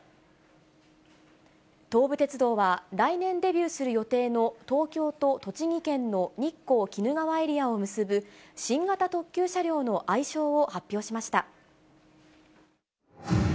東武鉄道は、来年デビューする予定の東京と栃木県の日光・鬼怒川エリアを結ぶ新型特急車両の愛称を発表しました。